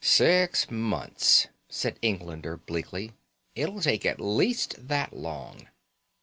"Six months," said Englander bleakly. "It'll take at least that long."